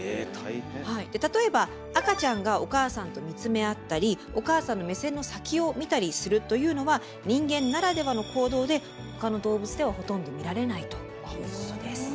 例えば赤ちゃんがお母さんと見つめ合ったりお母さんの目線の先を見たりするというのは人間ならではの行動で他の動物ではほとんど見られないということです。